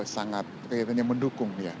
sangat mendukung ya